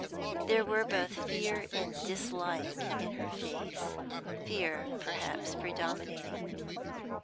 There were both fear and dislike in her face, fear perhaps predominating.